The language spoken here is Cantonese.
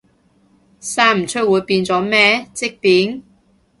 生唔出會變咗咩，積便？